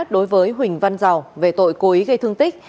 đối với huỳnh văn dầu về tội cố ý gây thương tích